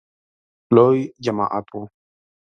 لوی جماعت و .